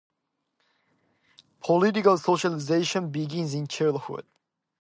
Political socialization begins in childhood.